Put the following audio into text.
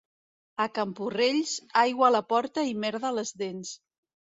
A Camporrells, aigua a la porta i merda a les dents.